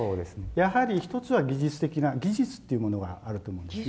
やはり一つは技術的な技術っていうものがあると思うんですね。